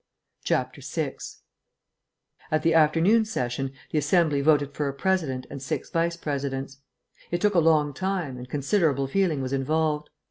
6 At the afternoon session the Assembly voted for a President and six Vice Presidents. It took a long time, and considerable feeling was involved.